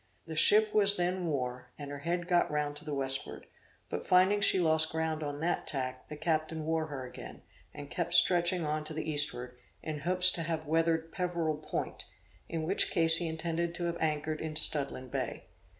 The ship was then wore, and her head got round to the westward; but finding she lost ground on that tack, the captain wore her again, and kept stretching on to the eastward, in hopes to have weathered Peverel Point, in which case he intended to have anchored in Studland Bay.